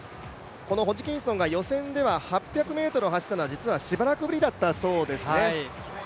ホジキンソンが予選で８００ｍを走ったのはしばらくぶりだったそうですね。